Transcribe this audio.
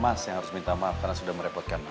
mas yang harus minta maaf karena sudah merepotkan